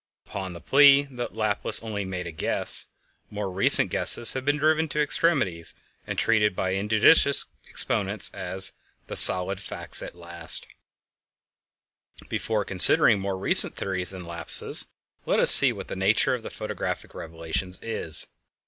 Upon the plea that "Laplace only made a guess" more recent guesses have been driven to extremes and treated by injudicious exponents as "the solid facts at last." [Illustration: Wonderful spiral in triangulum] Before considering more recent theories than Laplace's, let us see what the nature of the photographic revelations is.